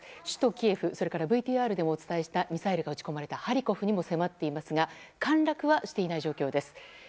首都キエフそれからＶＴＲでお伝えしたミサイルが撃ち込まれたハリコフにも迫っていますが陥落はしていない状況です。